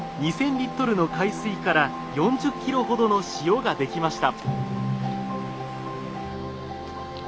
リットルの海水から４０キロほどの塩ができました。